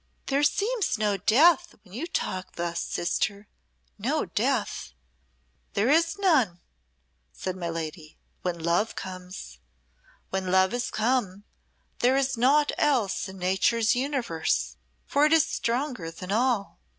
"There seems no Death, when you talk thus, sister no Death." "There is none," said my lady, "when Love comes. When Love has come, there is naught else in Nature's universe, for it is stronger than all."